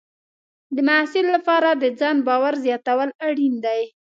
د محصل لپاره د ځان باور زیاتول اړین دي.